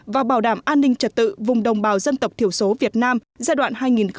và bảo đảm an ninh trật tự vùng đồng bào dân tộc thiểu số việt nam giai đoạn hai nghìn một mươi chín hai nghìn hai mươi năm